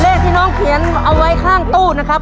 เลขที่น้องเขียนเอาไว้ข้างตู้นะครับ